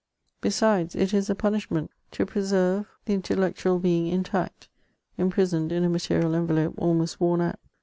Besides, it is a punishment to preserve the intellectual being intact, imprisoned in a material envelope almost worn out.